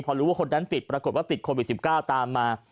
พอรู้ว่าคนนั้นติดปรากฏว่าติดโควิด๑๙ตามมา